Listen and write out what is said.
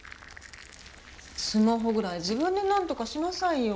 スマホぐらい自分でなんとかしなさいよ。